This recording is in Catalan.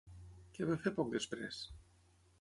Què va fer poc després?